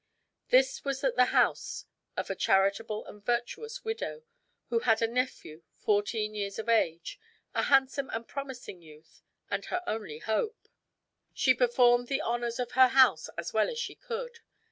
This was at the house of a charitable and virtuous widow, who had a nephew fourteen years of age, a handsome and promising youth, and her only hope. She performed the honors of her house as well as she could.